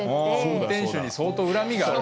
運転手に相当恨みがあると。